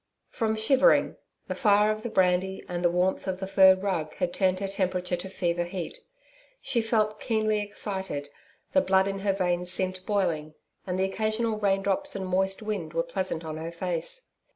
From shivering, the fire of the brandy and the warmth of the fur rug had turned her temperature to fever heat. She felt keenly excited; the blood in her veins seemed boiling, and the occasional raindrops and moist wind were pleasant on her face.